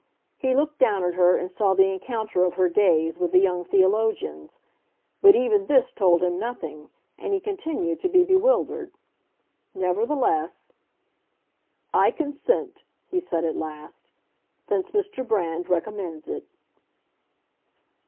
He looked down at her and saw the encounter of her gaze with the young theologian's; but even this told him nothing, and he continued to be bewildered. Nevertheless, "I consent," he said at last, "since Mr. Brand recommends it."